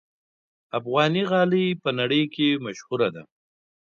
افغاني غالۍ په نړۍ کې مشهوره ده.